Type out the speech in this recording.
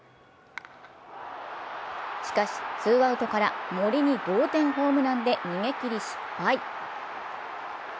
しかし、ツーアウトから森に同点ホームランで逃げ切り失敗。